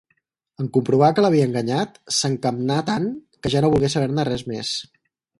En comprovar que l'havia enganyat, s'escamnà tant, que ja no volgué saber-ne res més.